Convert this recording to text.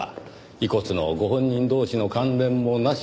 遺骨のご本人同士の関連もなし。